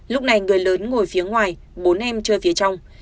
lúc này người lớn ngồi phía ngoài bốn em chơi phía trong